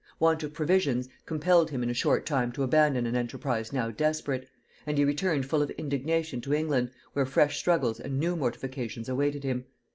Want of provisions compelled him in a short time to abandon an enterprise now desperate; and he returned full of indignation to England, where fresh struggles and new mortifications awaited him.